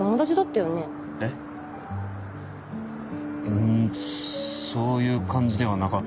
うんそういう感じではなかったかな。